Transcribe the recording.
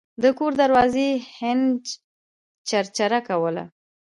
د کور دروازې هینج چرچره کوله.